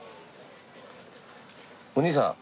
お兄さん。